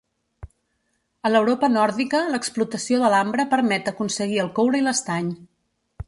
A l'Europa Nòrdica l'explotació de l'ambre permet aconseguir el coure i l'estany.